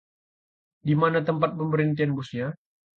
Di mana tempat pemberhentian busnya?